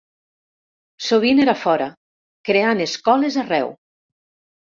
Sovint era fora, creant escoles arreu.